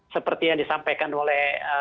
seperti yang disampaikan oleh